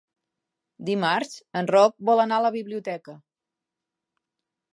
Dimarts en Roc vol anar a la biblioteca.